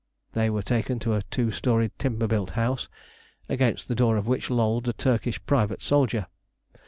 They were taken to a two storied timber built house, against the door of which lolled a Turkish private soldier.